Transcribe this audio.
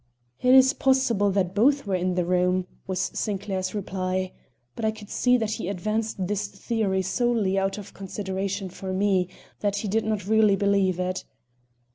"It is possible that both were in the room," was Sinclair's reply. But I could see that he advanced this theory solely out of consideration for me; that he did not really believe it.